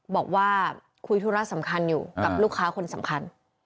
บอกว่าคุยธุระสำคัญอยู่กับลูกค้าคนสำคัญ